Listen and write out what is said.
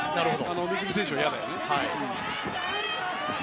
未来選手は嫌だよね。